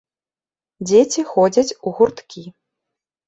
Дзеці ходзяць у гурткі.